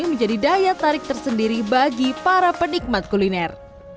menjadi daya tarik tersendiri bagi para penikmat kuliner